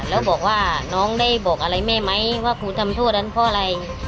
แล้วบอกว่าน้องได้บอกอะไรแม่ไหมว่าครูทำโทษนั้นเพราะอะไร